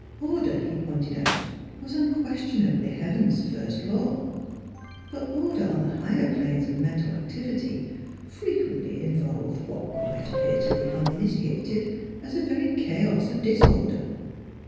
Order, he pointed out, was unquestionably heaven's first law; but order on the higher planes of mental activity fre quently involved what might appear to the un initiated as a very chaos of disorder.